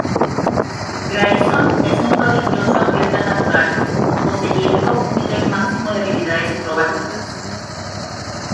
Grayson es un prodigioso atleta natural, poseyendo un nivel máximo de habilidades acrobáticas.